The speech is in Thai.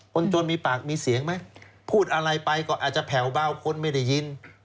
คนจนมีปากมีเสียงไหม